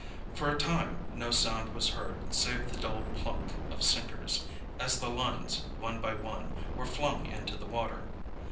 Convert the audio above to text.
For a time no sound was heard save the dull "plunk" of sinkers as the lines, one by one, were flung into the water.